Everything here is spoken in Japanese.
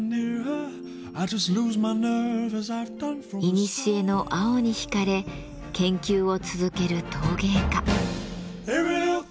いにしえの青に引かれ研究を続ける陶芸家。